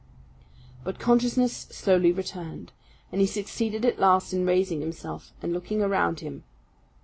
But consciousness slowly returned, and he succeeded at last in raising himself and looking around him.